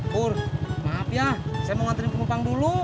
pur maaf ya saya mau nganterin pengupang dulu